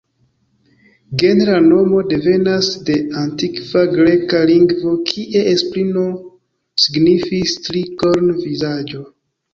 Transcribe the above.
Genra nomo devenas de antikva greka lingvo kie esprimo signifis „tri-korn-vizaĝo”.